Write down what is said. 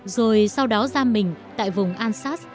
rồi sau đó ra mình tại vùng ansaz